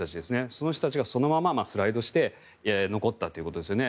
その人たちがそのままスライドして残ったということですよね。